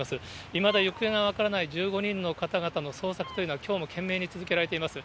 いまだ行方が分からない１５人の方々の捜索というのが、きょうも懸命に続けられています。